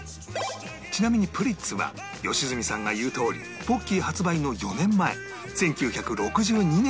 ちなみにプリッツは良純さんが言うとおりポッキー発売の４年前１９６２年に発売されました